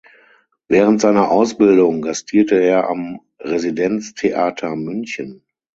Während seiner Ausbildung gastierte er am Residenztheater München.